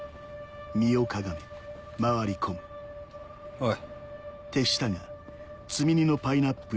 おい。